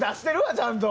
ちゃんと。